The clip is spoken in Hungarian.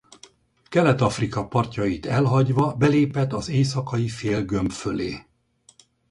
Kelet-Afrika partjait elhagyva belépett az éjszakai félgömb fölé.